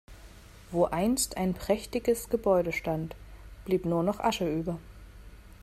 Wo einst ein prächtiges Gebäude stand, blieb nur noch Asche über.